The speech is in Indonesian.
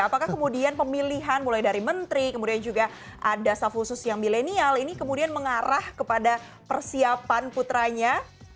apakah kemudian pemilihan mulai dari menteri kemudian juga ada staff khusus yang milenial ini kemudian mengarah kepada persiapan putranya